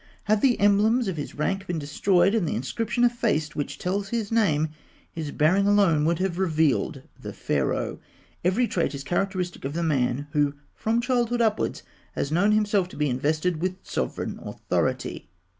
Had the emblems of his rank been destroyed, and the inscription effaced which tells his name, his bearing alone would have revealed the Pharaoh. Every trait is characteristic of the man who from childhood upwards has known himself to be invested with sovereign authority.